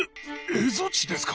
蝦夷地ですか？